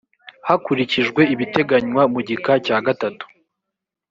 hakurikijwe ibiteganywa mu gika cya gatatu